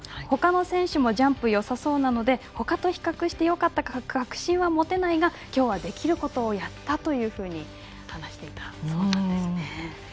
ほかの選手もジャンプよさそうなのでほかと比較してよかったか確信はもてないが今日はできることをやったというふうに話していたそうなんですね。